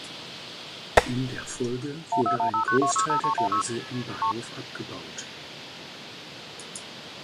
In der Folge wurde ein Großteil der Gleise im Bahnhof abgebaut.